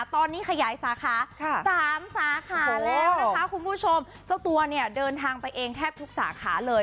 ตอนนี้ขยายสาขาสามสาขาแล้วนะคะคุณผู้ชมเจ้าตัวเนี่ยเดินทางไปเองแทบทุกสาขาเลย